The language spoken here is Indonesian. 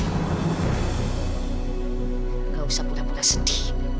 engkau usah pula pula sedih